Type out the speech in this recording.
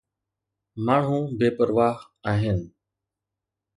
ماڻهو بي پرواهه آهن.